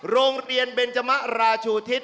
โรงเรียนเบนจมะราชูทิศ